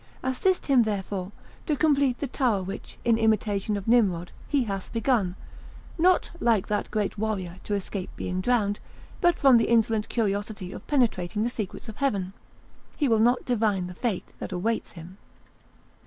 Assist him, therefore, to complete the tower which, in imitation of Nimrod, he hath begun, not, like that great warrior, to escape being drowned, but from the insolent curiosity of penetrating the secrets of Heaven; he will not divine the fate that awaits him."